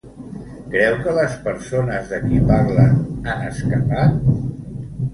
Creu que les persones de qui parlen han escapat?